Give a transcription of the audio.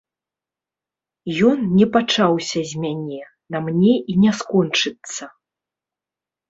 Ён не пачаўся з мяне, на мне і не скончыцца.